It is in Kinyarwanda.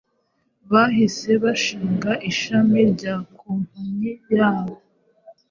Bahise bashinga ishami rya kompanyi yabo